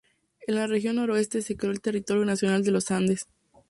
En la región noroeste se creó el territorio nacional de Los Andes.